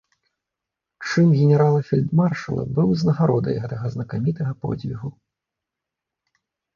Чын генерал-фельдмаршала быў узнагародай гэтага знакамітага подзвігу.